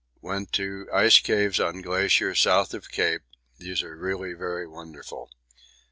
Went to ice caves on glacier S. of Cape; these are really very wonderful.